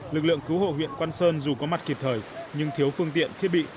lực lượng cứu hộ huyện quang sơn dù có mặt kịp thời nhưng thiếu phương tiện thiết bị